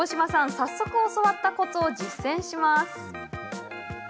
早速、教わったコツを実践。